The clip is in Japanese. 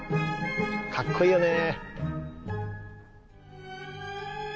かっこいいよね。